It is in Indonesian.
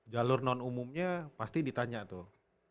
jalur non umumnya pasti ditanya tuh